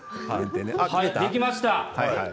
できました。